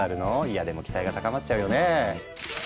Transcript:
嫌でも期待が高まっちゃうよね。